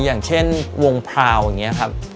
อย่างเช่นวงพาวอย่างนี้ครับ